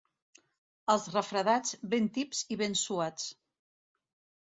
Els refredats, ben tips i ben suats.